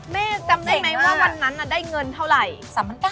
แม่จำได้ไหมว่าวันนั้นได้เงินเท่าไหร่